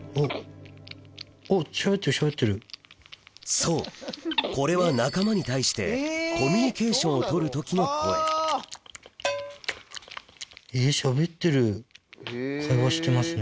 そうこれは仲間に対してコミュニケーションを取る時の声えっしゃべってる捜してますね。